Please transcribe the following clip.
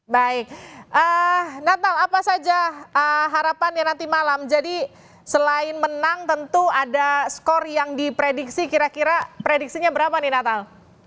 baik natal apa saja harapannya nanti malam jadi selain menang tentu ada skor yang diprediksi kira kira prediksinya berapa nih natal